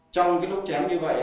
trong cái lúc chém như vậy